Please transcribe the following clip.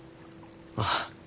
ああ。